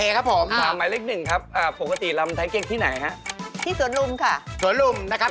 หมายเลข๒ท่าวิหกกระพือปีกคืออะไรครับ